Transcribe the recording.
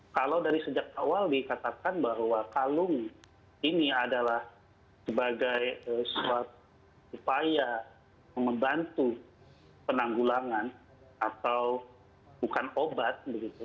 kalau dari sejak awal dikatakan bahwa kalung ini adalah sebagai suatu upaya membantu penanggulangan atau bukan obat begitu